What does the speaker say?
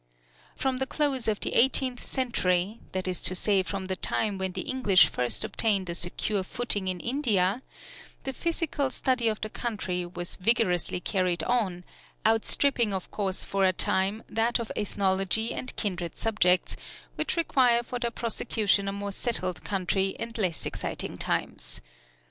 From the close of the eighteenth century, that is to say from the time when the English first obtained a secure footing in India, the physical study of the country was vigorously carried on, outstripping of course for a time that of the ethnology and kindred subjects, which require for their prosecution a more settled country and less exciting times.